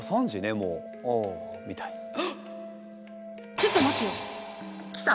ちょっと待てよ。きた？